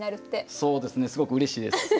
そうですねすごくうれしいです。